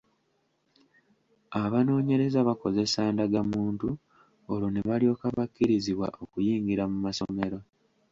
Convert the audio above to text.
Abanoonyereza bakozesa ndagamuntu olwo ne balyoka bakkirizibwa okuyingira mu masomero.